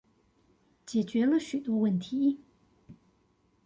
解決了許多問題